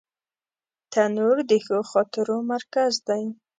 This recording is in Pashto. تنور د ښو خاطرو مرکز دی